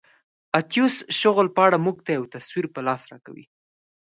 اتیوس شغل په اړه موږ ته یو تصویر په لاس راکوي.